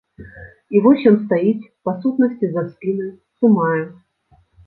І вось ён стаіць, па сутнасці, за спінай, здымае.